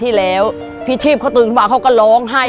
สติสตังค์มันจะทำกูมันจะฆ่ากูอะไรอย่างนี้